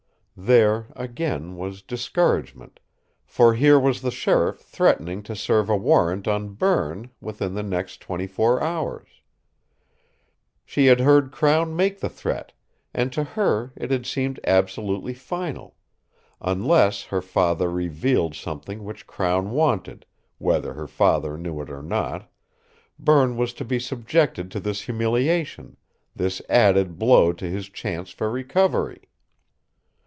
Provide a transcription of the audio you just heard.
There, again, was discouragement, for here was the sheriff threatening to serve a warrant on Berne within the next twenty four hours! She had heard Crown make the threat, and to her it had seemed absolutely final: unless her father revealed something which Crown wanted, whether her father knew it or not, Berne was to be subjected to this humiliation, this added blow to his chance for recovery!